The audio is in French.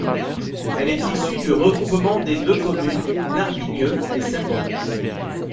Elle est issue du regroupement des deux communes d'Arbignieu et Saint-Bois.